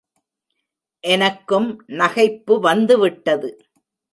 எனக்கும் நகைப்பு வந்துவிட்டது.